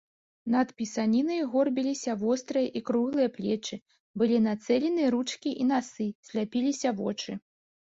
Над пісанінай горбіліся вострыя і круглыя плечы, былі нацэлены ручкі і насы, сляпіліся вочы.